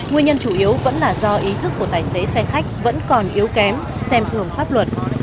nguyên nhân chủ yếu vẫn là do ý thức của tài xế xe khách vẫn còn yếu kém xem thường pháp luật